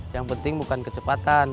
yang penting bukan kecepatan